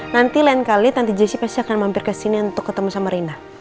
nanti lain kali tante jessy pasti akan mampir kesini untuk ketemu sama rina